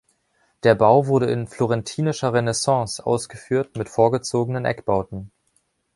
Der Bau wurde in "florentinischer Renaissance" ausgeführt mit vorgezogenen Eckbauten.